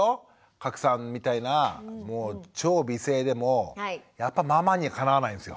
加耒さんみたいな超美声でもやっぱママにはかなわないんすよきっと。